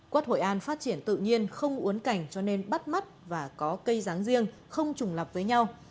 quất hội an phát triển tự nhiên không uốn cảnh cho nên bắt mắt và có cây ráng riêng không trùng lập với nhau